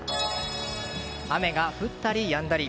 雨が降ったりやんだり。